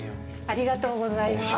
ありがとうございます。